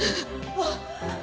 あっ！